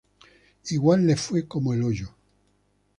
Igual le fue como el hoyo.